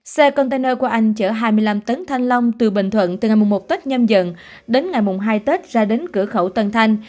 xe container của anh chở hai mươi năm tấn thanh long từ bình thuận từ ngày một tết nhâm dần đến ngày mùng hai tết ra đến cửa khẩu tân thanh